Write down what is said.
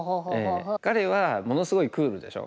彼はものすごいクールでしょ。